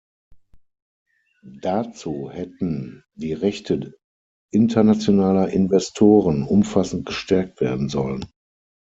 Dazu hätten die Rechte internationaler Investoren umfassend gestärkt werden sollen.